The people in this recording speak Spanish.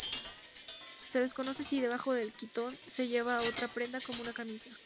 Se desconoce si debajo del quitón se llevaba otra prenda, como una camisa.